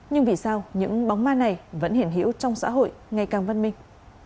nhưng vì sao những bóng ma này vẫn hiển hiểu trong xã hội ngày càng văn minh